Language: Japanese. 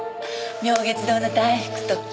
妙月堂の大福とか。